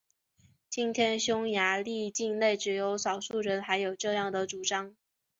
今天匈牙利境内只有少数人还有这样的主张。